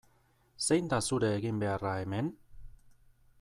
Zein da zure eginbeharra hemen?